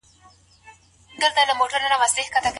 که ته ډېرې ویډیوګانې یو ځای کوې نو د لیږد حالت وکاروه.